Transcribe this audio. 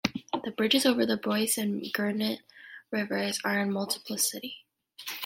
The bridges over the Broye and Grenet rivers are in the municipality.